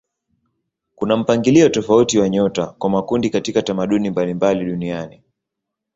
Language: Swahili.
Kuna mpangilio tofauti wa nyota kwa makundi katika tamaduni mbalimbali duniani.